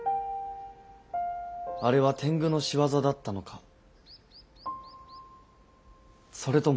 あれは天狗の仕業だったのかそれとも。